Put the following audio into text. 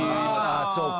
あそうか。